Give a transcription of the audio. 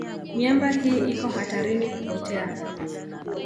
Miamba hii iko hatarini kupotea.